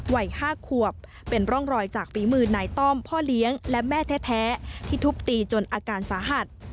วัย๕ขวบเป็นร่องรอยจากฝีมือนายต้อมพ่อเลี้ยงและแม่แท้ที่ทุบตีจนอาการสาหัส